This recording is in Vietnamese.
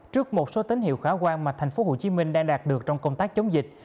trước một số tín hiệu khả quan mà thành phố hồ chí minh đang đạt được trong công tác chống dịch